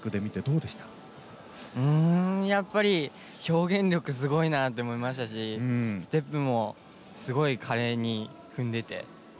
うんやっぱり表現力すごいなって思いましたしステップもすごい華麗に踏んでてしかも正確で。